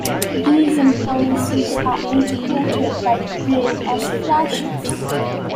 These impulses are interpreted by the brain as 'flashes'.